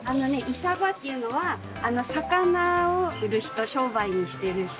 イサバっていうのは魚を売る人商売にしている人。